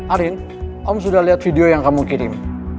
arin om sudah lihat video yang kamu kirim